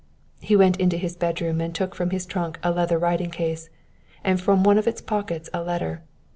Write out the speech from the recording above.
He went into his bedroom and took from his trunk a leather writing case, and from one of its pockets a letter.